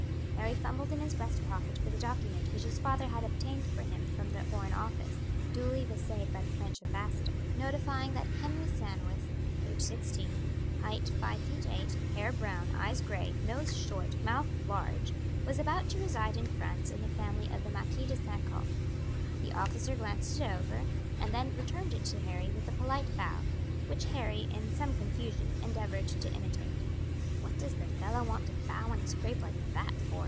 Harry fumbled in his breast pocket for the document which his father had obtained for him from the foreign office, duly viseed by the French ambassador, notifying that Henry Sandwith, age sixteen, height five feet eight, hair brown, eyes gray, nose short, mouth large, was about to reside in France in the family of the Marquis de St. Caux. The officer glanced it over, and then returned it to Harry with a polite bow, which Harry in some confusion endeavoured to imitate. "What does the fellow want to bow and scrape like that for?"